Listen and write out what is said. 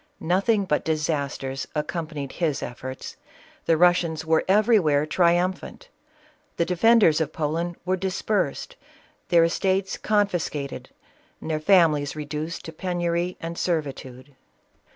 Nothing but disasters accompanied his efforts: the Russians were everywhere triumphant ; the defenders of Poland were dispersed, their estates confiscated, their families reduced to penury and servitude.